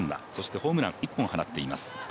ホームラン１本放っています。